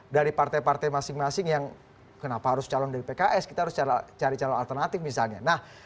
dari partai partai masing masing yang kenapa harus calon dari pks kita harus cari calon alternatif misalnya